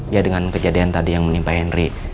ya dengan kejadian tadi yang menimpa henry